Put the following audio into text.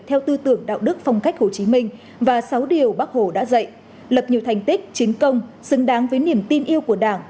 theo tư tưởng đạo đức phong cách hồ chí minh và sáu điều bác hồ đã dạy lập nhiều thành tích chiến công xứng đáng với niềm tin yêu của đảng